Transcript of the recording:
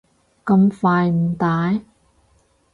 咁快唔戴？